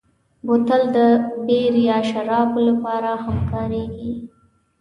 بوتل د بیر یا شرابو لپاره هم کارېږي.